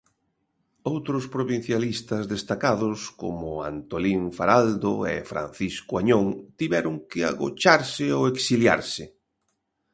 Outros provincialistas destacados, como Antolín Faraldo e Francisco Añón, tiveron que agocharse ou exiliarse.